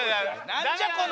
なんじゃこの。